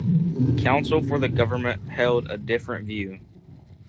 Counsel for the Government held a different view.